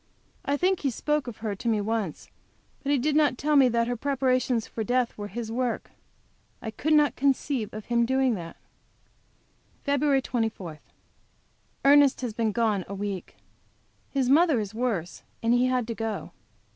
I think he spoke of her to me once; but he did not tell me that her preparations for death was his work. I could not conceive of him as doing that. FEB. 24. Ernest has been gone a week. His mother is worse and he had to go.